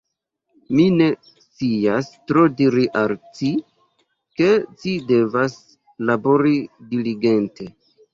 Mi ne scias tro diri al ci, ke ci devas labori diligente.